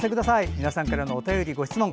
皆さんからのお便り、ご質問